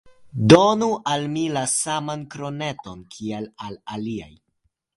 Donu al mi la saman kroneton, kiel al aliaj!